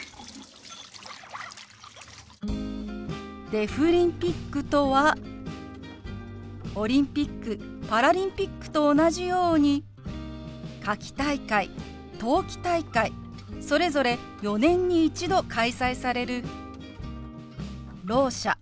「デフリンピック」とはオリンピックパラリンピックと同じように夏季大会冬季大会それぞれ４年に一度開催されるろう者